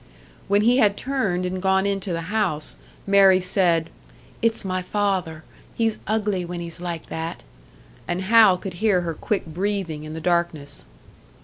When he had turned and gone into the house, Mary said, "It's my father. He's ugly when he's like that." And Hal could hear her quick breathing in the darkness.